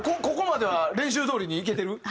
ここまでは練習どおりにいけてる？